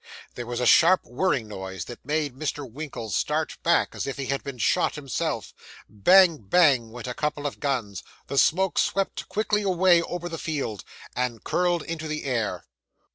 There was a sharp whirring noise, that made Mr. Winkle start back as if he had been shot himself. Bang, bang, went a couple of guns the smoke swept quickly away over the field, and curled into the air.